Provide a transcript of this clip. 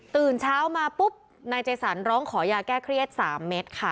ตื่นเช้ามาปุ๊บนายเจสันร้องขอยาแก้เครียด๓เม็ดค่ะ